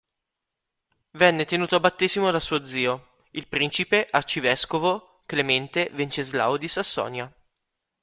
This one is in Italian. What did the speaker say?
Venne tenuto a battesimo da suo zio, il principe-arcivescovo Clemente Venceslao di Sassonia.